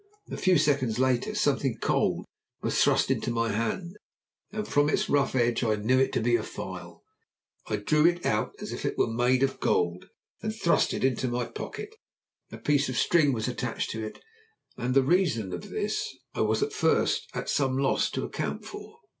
A few seconds later something cold was thrust into my hand, and from its rough edge I knew it to be a file. I drew it out as if it were made of gold and thrust it into my pocket. A piece of string was attached to it, and the reason of this I was at first at some loss to account for.